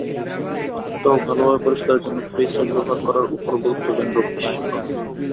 ত্বক ভালোভাবে পরিষ্কারের জন্য ফেসওয়াশ ব্যবহার করার ওপরও গুরুত্ব দেন রূপবিশেষজ্ঞরা।